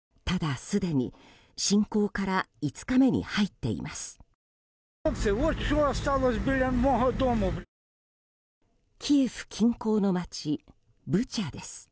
ただ、すでに侵攻から５日目に入っています。